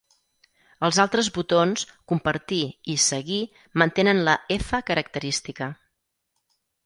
Els altres botons, ‘Compartir’ i ‘Seguir’, mantenen la ‘f’ característica.